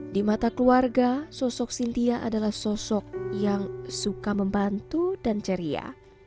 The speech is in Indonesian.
di mata keluarga sosok sintia adalah sosok yang suka membantu dan ceria